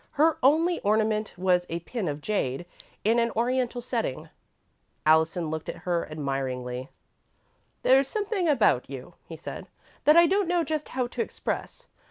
Her only ornament was a pin of jade, in an Oriental setting. Allison looked at her admiringly. "There's something about you," he said, "that I don't know just how to express.